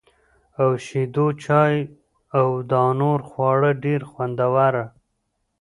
او شېدو چای او دانور خواړه ډېره خوندوره